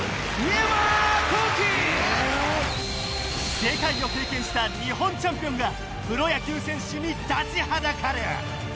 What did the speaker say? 世界を経験した日本チャンピオンがプロ野球選手に立ちはだかる